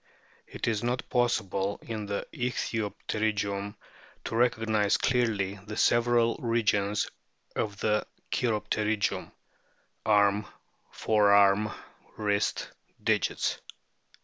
It is not possible in the ichthyopterygium to recog nise clearly the several regions of the cheiropterygium arm, forearm, wrist, digits.